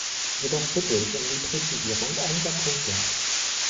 Jedoch bitte ich um die Präzisierung einiger Punkte.